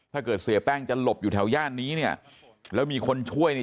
เสียแป้งจะหลบอยู่แถวย่านนี้เนี่ยแล้วมีคนช่วยเนี่ย